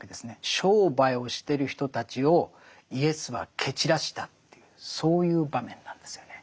商売をしてる人たちをイエスは蹴散らしたというそういう場面なんですよね。